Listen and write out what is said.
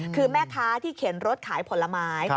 คือแม่ค้าที่เข็นรถขายผลไม้